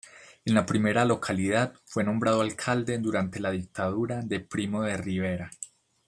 En la primera localidad fue nombrado alcalde durante la Dictadura de Primo de Rivera.